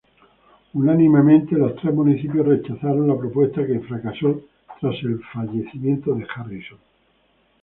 Unánimemente los tres municipios rechazaron la propuesta, que fracaso tras el fallecimiento de Harrison.